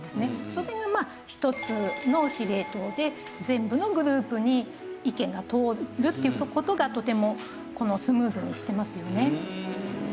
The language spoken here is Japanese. それがまあ１つの司令塔で全部のグループに意見が通るっていう事がとてもスムーズにしてますよね。